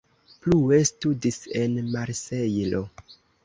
Plue studis en Marsejlo.